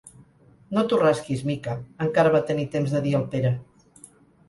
No t'ho rasquis, Mica —encara va tenir temps de dir el Pere.